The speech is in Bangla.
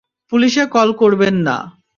পুলিশে কল করবেন না।